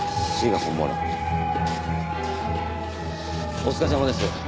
お疲れさまです。